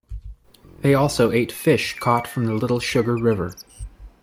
They also ate fish caught from the Little Sugar River.